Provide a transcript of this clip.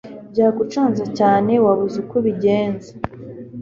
byagucanze cyane wabuze uko ubigenza